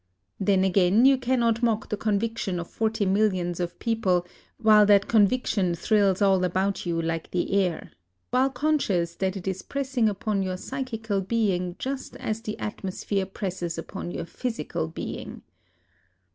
Then again you cannot mock the conviction of forty millions of people while that conviction thrills all about you like the air, — while conscious that it is pressing upon your psychical being just as the atmosphere presses upon your physical being.